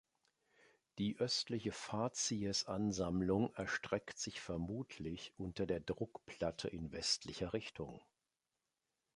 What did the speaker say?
Die östliche Fazies-Ansammlung erstreckt sich vermutlich unter der Druckplatte in westlicher Richtung.